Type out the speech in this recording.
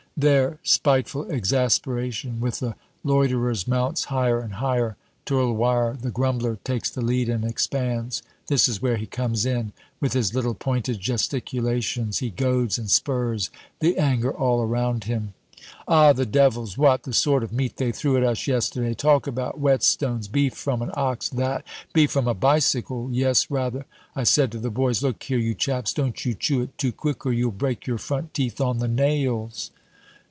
Their spiteful exasperation with the loiterers mounts higher and higher. Tirloir the Grumbler takes the lead and expands. This is where he comes in. With his little pointed gesticulations he goads and spurs the anger all around him. "Ah, the devils, what? The sort of meat they threw at us yesterday! Talk about whetstones! Beef from an ox, that? Beef from a bicycle, yes rather! I said to the boys, 'Look here, you chaps, don't you chew it too quick, or you'll break your front teeth on the nails!'"